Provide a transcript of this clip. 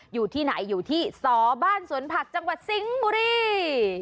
อยู่ที่ไหนอยู่ที่สอบ้านสวนผักจังหวัดสิงห์บุรี